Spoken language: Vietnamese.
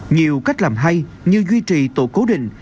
nhiều cách làm hay như duy trì tổ cố định